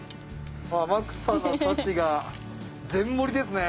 天草の幸が全盛りですね。